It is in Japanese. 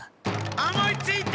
思いついた！